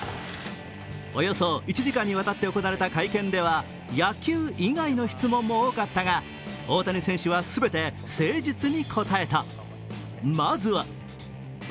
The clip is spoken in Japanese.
およそ１時間にわたって行われた会見では、野球以外の質問も多かったが大谷選手は全て誠実に答えた。